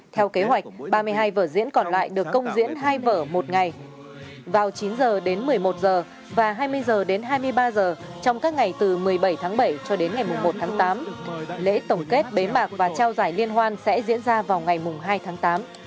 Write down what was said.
theo kế hoạch ba mươi hai vở diễn còn lại được công diễn hai vở một ngày vào chín h đến một mươi một h và hai mươi h đến hai mươi ba h trong các ngày từ một mươi bảy tháng bảy cho đến ngày một tháng tám lễ tổng kết bế mạc và trao giải liên hoan sẽ diễn ra vào ngày hai tháng tám